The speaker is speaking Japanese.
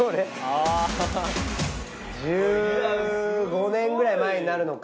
１５年くらい前になるのか。